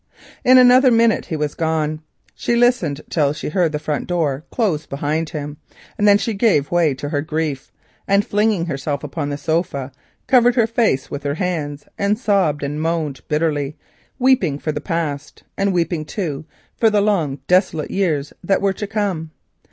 In another minute he was gone. She listened till she heard the front door close behind him, and then gave way to her grief. Flinging herself upon the sofa, she covered her face with her hands and moaned bitterly, weeping for the past, and weeping, too, for the long desolate years that were to come.